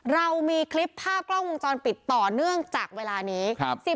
เรามีคลิปภาพกล้องวงจรปิดต่อเนื่องจากเวลานี้